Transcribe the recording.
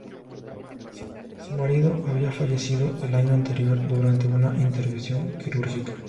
Su marido había fallecido el año anterior durante una intervención quirúrgica.